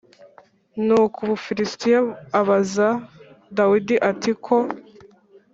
Nuko Umufilisitiya abaza Dawidi ati Ko